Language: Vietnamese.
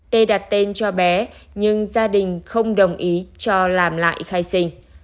t đặt tên cho bé nhưng gia đình không đồng ý cho làm lại khai sinh